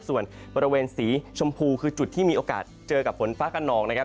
ส่วนบริเวณสีชมพูคือจุดที่มีโอกาสเจอกับฝนฟ้ากระนองนะครับ